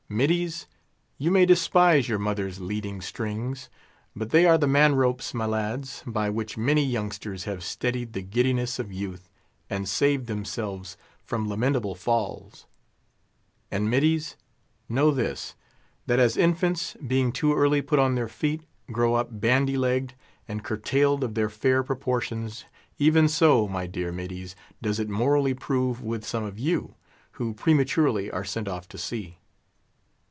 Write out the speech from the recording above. Middies! you may despise your mother's leading strings, but they are the man ropes my lads, by which many youngsters have steadied the giddiness of youth, and saved themselves from lamentable falls. And middies! know this, that as infants, being too early put on their feet, grow up bandy legged, and curtailed of their fair proportions, even so, my dear middies, does it morally prove with some of you, who prematurely are sent off to sea.